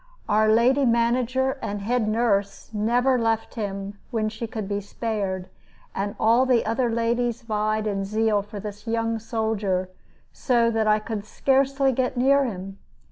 Our lady manager and head nurse never left him when she could be spared, and all the other ladies vied in zeal for this young soldier, so that I could scarcely get near him.